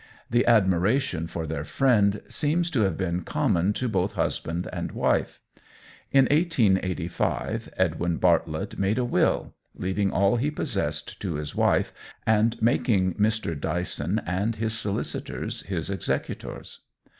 The admiration for their friend seems to have been common to both husband and wife. In 1885 Edwin Bartlett made a will, leaving all he possessed to his wife, and making Mr. Dyson and his solicitors his executors.